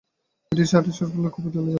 বেশি আঁটসাঁট করলে খুলে যাবে।